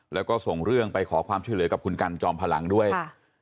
แล้วก็ส่งเรื่องไปขอความช่วยเหลือกับคุณกันจอมพลังด้วย